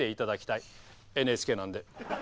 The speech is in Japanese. ＮＨＫなんで。